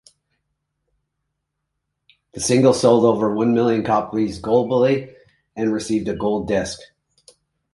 The single sold over one million copies globally, and received a gold disc.